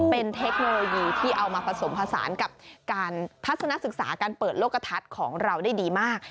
เป็นเทคโนโลยีที่เอามาผสมผสานกับการทัศนศึกษาการเปิดโลกกระทัดของเราได้ดีมาก